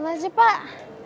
eh dosa pak